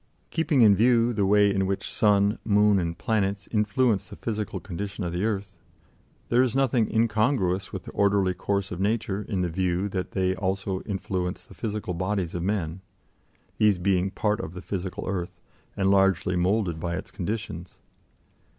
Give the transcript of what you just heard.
Keeping in view the way in which sun, moon, and planets influence the physical condition of the earth, there is nothing incongruous with the orderly course of nature in the view that they also influence the physical bodies of men, these being part of the physical earth, and largely moulded by its conditions.